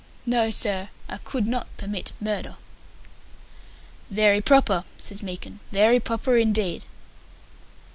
No, sir, I could not commit murder!" "Very proper," says Meekin, "very proper indeed."